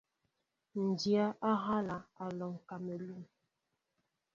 Ǹ dya á ehálā , Á alɔŋ kamelûn.